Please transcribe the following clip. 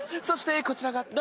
そしてこちらが。